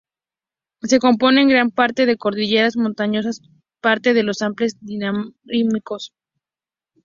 Se compone en gran parte de cordilleras montañosas, parte de los Alpes Dináricos.